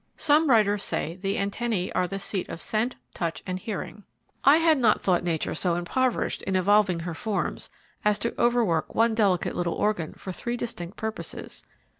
Some writers say the antennae are the seat of scent, touch, and hearing. I had not thought nature so impoverished in evolving her forms as to overwork one delicate little organ for three distinct purposes.